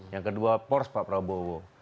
yang kedua pors pak prabowo